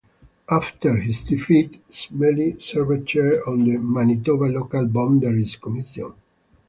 After his defeat, Smellie served chair of the Manitoba Local Boundaries Commission.